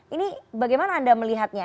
ini bagaimana anda melihatnya